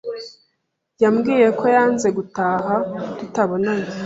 Yambwiye ko yanze gutaha tutabonanye